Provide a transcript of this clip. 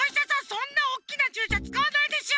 そんなおっきなちゅうしゃつかわないでしょ！